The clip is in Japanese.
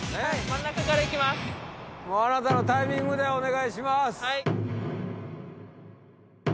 あなたのタイミングでお願いします。